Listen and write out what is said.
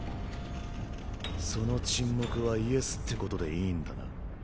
その沈黙はイエスってことでいいんだな？